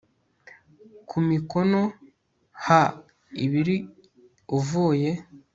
ku mikono ha ibiri uvuye